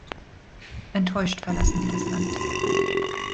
Enttäuscht verlassen sie das Land.